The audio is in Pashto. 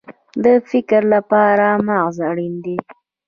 د فکر لپاره مغز اړین دی